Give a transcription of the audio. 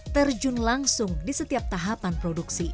terjun langsung di setiap tahapan produksi